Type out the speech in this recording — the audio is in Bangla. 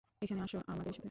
এখানে আস আমাদের সাথে।